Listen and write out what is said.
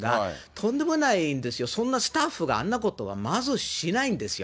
とんでもないんですよ、スタッフがあんなことはまずしないんですよ。